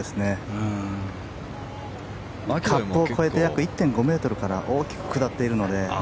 カップを越えて約１．５ｍから大きく下っているので。